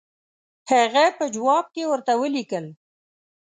هغه په جواب کې ورته ولیکل.